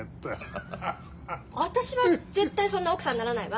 私は絶対そんな奥さんにならないわ。